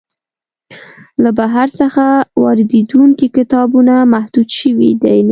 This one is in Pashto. له بهر څخه واریدیدونکي کتابونه محدود شوي دی نو ځکه.